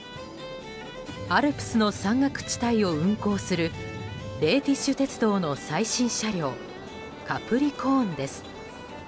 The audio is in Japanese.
アルプスの山岳地帯を運行するレーティッシュ鉄道の最新車両「カプリコーン」です。